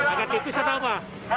agak tipis atau apa